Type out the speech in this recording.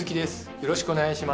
よろしくお願いします。